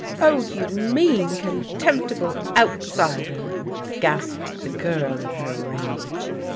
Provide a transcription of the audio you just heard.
"Oh, you mean, contemptible outsider," gasped the girl in her rage.